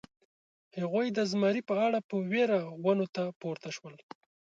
هغوی د زمري په اړه په وېره ونو ته پورته شول.